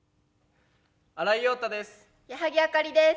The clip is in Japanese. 新井庸太です。